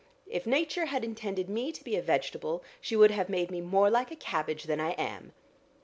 If Nature had intended me to be a vegetable, she would have made me more like a cabbage than I am."